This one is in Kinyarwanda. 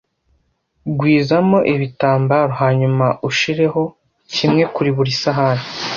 Gwizamo ibitambaro hanyuma ushireho kimwe kuri buri sahani.